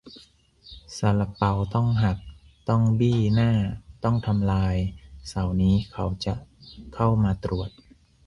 "ซาลาเปาต้องหัก ต้องบี้หน้า ต้องทำลาย เสาร์นี้เขาจะเข้ามาตรวจ"